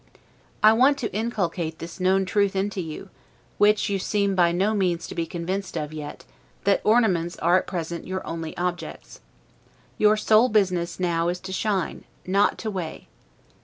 I want to inculcate this known truth into you, which, you seem by no means to be convinced of yet, that ornaments are at present your only objects. Your sole business now is to shine, not to weigh.